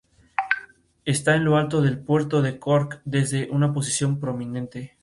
Esta en lo alto del puerto de Cork desde una posición prominente.